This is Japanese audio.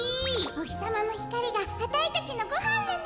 おひさまのひかりがあたいたちのごはんレナ。